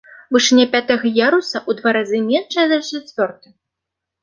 Вышыня пятага яруса ў два разы меншая за чацвёрты.